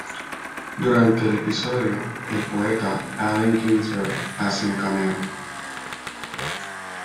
Durante el episodio, el poeta Allen Ginsberg hace un cameo.